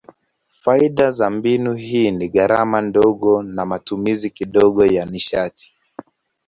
Faida za mbinu hii ni gharama ndogo na matumizi kidogo ya nishati.